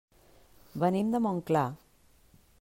Venim de Montclar.